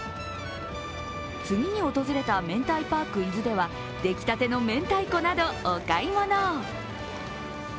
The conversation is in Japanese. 次に訪れた、めんたいパーク伊豆では出来たてのめんたいこなどお買い物。